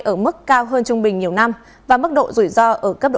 ở mức cao hơn trung bình nhiều năm và mức độ rủi ro ở cấp độ